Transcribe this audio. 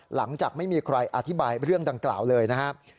หลังจากไม่มีใครอธิบายเรื่องดังกล่าวเลยนะครับ